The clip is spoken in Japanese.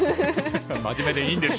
真面目でいいんです。